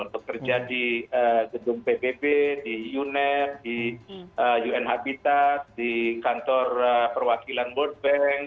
bekerja di gedung pbb di unef di un habitat di kantor perwakilan world bank